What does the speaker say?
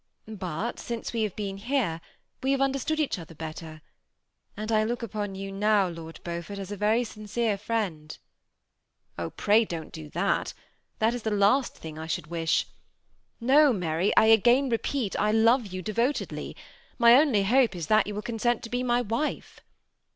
But since we have been here, we have understood each other better ; and I look upon you now, Lord Beaufort, as a very sincere friend." '^ Oh ! pray don't do that ; that is the last thing I should wish. No, Mary, I again repeat, I love you devotedly ; my only hope is that you will consent to be my wife.